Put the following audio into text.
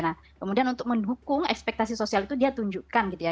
nah kemudian untuk mendukung ekspektasi sosial itu dia tunjukkan gitu ya